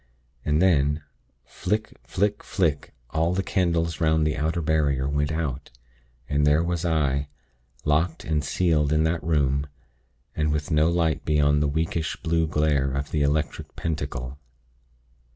And then, flick! flick! flick! all the candles 'round the outer barrier went out; and there was I, locked and sealed in that room, and with no light beyond the weakish blue glare of the Electric Pentacle.